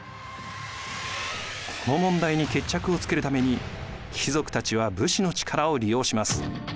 この問題に決着をつけるために貴族たちは武士の力を利用します。